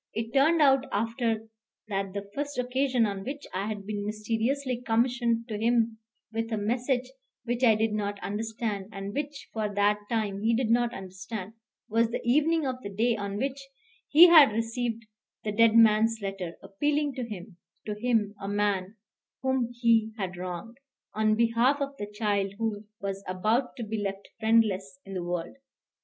It turned out after, that the first occasion on which I had been mysteriously commissioned to him with a message which I did not understand, and which for that time he did not understand, was the evening of the day on which he had received the dead man's letter, appealing to him to him, a man whom he had wronged on behalf of the child who was about to be left friendless in the world.